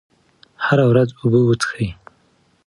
هره ورځ اوبه وڅښئ.